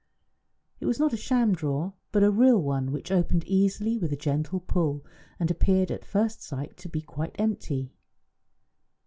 It was not a sham drawer, but a real one, which opened easily with a gentle pull, and appeared at first sight to be quite empty.